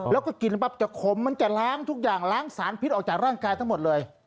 แล้วก็กินปั๊บจะขมมันจะล้างทุกอย่างล้างสารพิษออกจากร่างกายทั้งหมดเลย